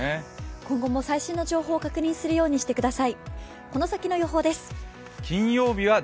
今後も最新の情報を確認するようにしてください。